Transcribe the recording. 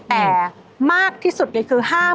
แต่มากที่สุดก็คือ๕บาท